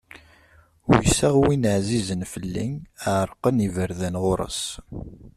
Uyseɣ win ɛzizen fell-i, ɛerqen yiberdan ɣur-s.